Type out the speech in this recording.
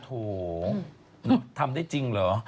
โถทำได้จริงเหรอ